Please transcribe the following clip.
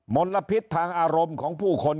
ลพิษทางอารมณ์ของผู้คน